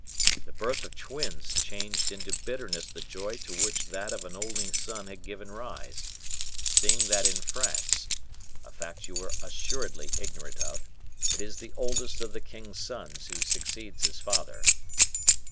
The birth of twins changed into bitterness the joy to which that of an only son had given rise, seeing that in France (a fact you are assuredly ignorant of) it is the oldest of the king's sons who succeeds his father."